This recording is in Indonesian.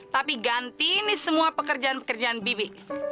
tapi gantiin nih semua pekerjaan pekerjaan bibi